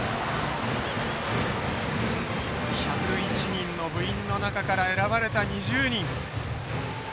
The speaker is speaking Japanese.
１０１人の部員の中から選ばれた２０人。